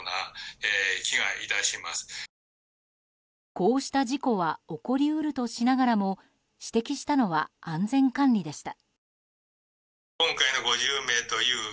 こうした事故は起こり得るとしながらも指摘したのは安全管理でした。